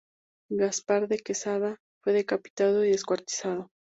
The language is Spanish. Gaspar de Quesada fue decapitado y descuartizado.